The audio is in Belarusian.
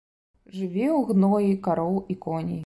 Жыве ў гноі кароў і коней.